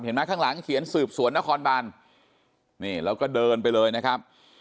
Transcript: ข้างหลังเขียนสืบสวนนครบานนี่แล้วก็เดินไปเลยนะครับ